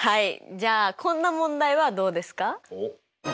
じゃあこんな問題はどうですか？